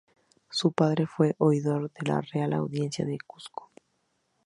Su padre fue oidor de la Real Audiencia del Cuzco.